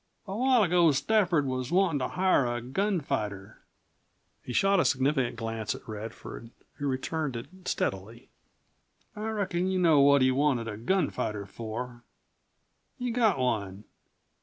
A while ago Stafford was wantin' to hire a gunfighter." He shot a significant glance at Radford, who returned it steadily. "I reckon you know what he wanted a gunfighter for. He got one.